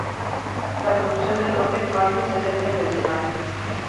La producción de Lockheed Martin se centra en Pennsylvania.